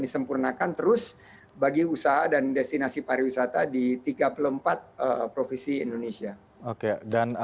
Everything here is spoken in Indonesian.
disempurnakan terus bagi usaha dan destinasi pariwisata di tiga puluh empat provinsi indonesia oke dan